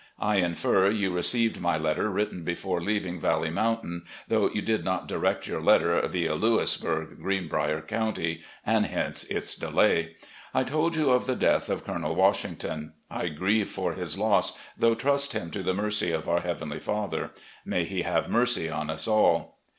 I infer you received my letter written before leaving Valley Moun tain, though you did not direct your letter 'via Lewisburg, Greenbrier County,' and hence its delay. I told you of the death of Colonel Washington. I grieve for his loss, though trust him to the mercy of our Heavenly Father. May He have mercy on us all.